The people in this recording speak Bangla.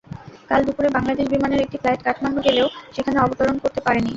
কাল দুপুরে বাংলাদেশ বিমানের একটি ফ্লাইট কাঠমান্ডু গেলেও সেখানে অবতরণ করতে পারেনি।